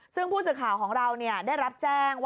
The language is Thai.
ซึ่งผู้สื่อข่าวของเราได้รับแจ้งว่า